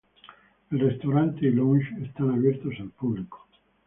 El restaurante y lounge están abiertos al público.